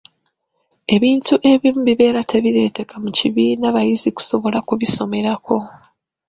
Ebintu ebimu bibeera tebireeteka mu kibiina bayizi kusobola kubisomerako.